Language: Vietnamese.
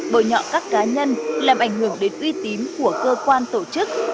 bồi nhọ các cá nhân làm ảnh hưởng đến uy tín của cơ quan tổ chức